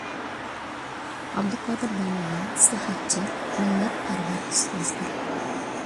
ئابدۇقادىر داموللام ئىسلاھاتچى، مىللەتپەرۋەر ئۇستازدۇر.